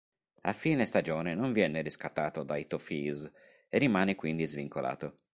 A fine stagione non viene riscattato dai "Toffees" e rimane quindi svincolato.